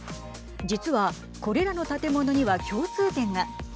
実はこれらの建物には共通点が。